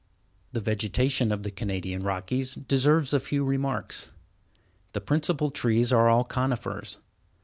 The vegetation of the Canadian Rockies deserves a few remarks. The principal trees are all conifers.